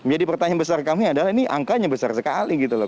jadi pertanyaan besar kami adalah ini angkanya besar sekali gitu loh